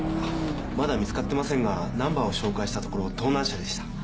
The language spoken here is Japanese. まだ見つかってませんがナンバーを照会したところ盗難車でした。